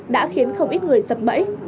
đã khiến không ít người sập bẫy